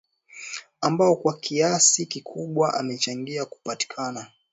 ambao kwa kiasi kikubwa umechangia kupatikana